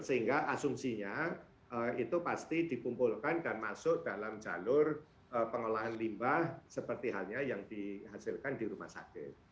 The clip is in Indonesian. sehingga asumsinya itu pasti dikumpulkan dan masuk dalam jalur pengolahan limbah seperti halnya yang dihasilkan di rumah sakit